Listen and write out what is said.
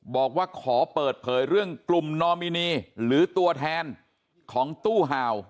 บอกว่าขอเปิดเผยเรื่องกลุ่มนอมินีหรือตัวแทนของตู้ห่าว